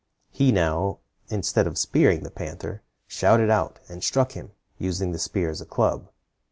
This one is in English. He now, instead of spearing the panther, shouted out, and struck him, using the spear as a club.